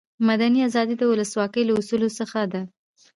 مدني آزادي د ولسواکي له اصولو څخه ده.